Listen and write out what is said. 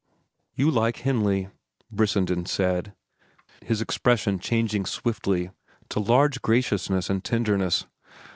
'" "You like Henley," Brissenden said, his expression changing swiftly to large graciousness and tenderness.